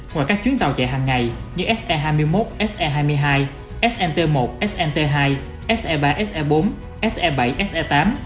ngoài các chuyến tàu chạy hàng ngày như se hai mươi một se hai mươi hai snt một snt hai se ba se bốn se bảy se tám